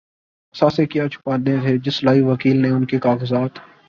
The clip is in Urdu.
اثاثے کیا چھپانے تھے‘ جس لائق وکیل نے ان کے کاغذات